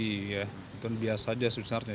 itu biasa saja sebesarnya